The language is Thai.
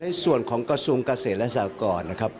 ในส่วนของกระทรวงเกษตรและสากรนะครับ